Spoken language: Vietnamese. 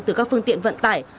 từ các phương tiện vận tải